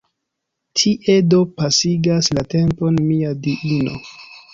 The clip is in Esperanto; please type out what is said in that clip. Tie do pasigas la tempon mia diino!